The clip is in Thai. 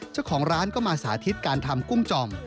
เจ้าของร้านก็มาสาธิตการทำกุ้งจ่อม